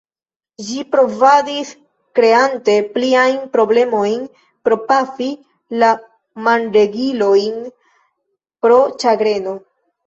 Ĝi provadis, kreante pliajn problemojn pro pafi la manregilojn pro ĉagreno.